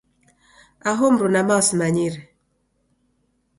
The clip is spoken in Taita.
Aho mruma mao simanyire.